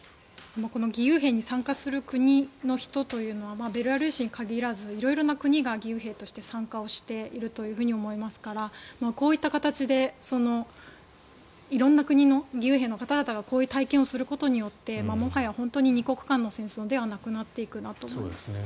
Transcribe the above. この義勇兵に参加する国の人というのはベラルーシに限らず色々な国が義勇兵として参加していると思いますからこういった形で色んな国の義勇兵の方々がこういう体験をすることによってもはや本当に２国間の戦争ではなくなっていくなと思います。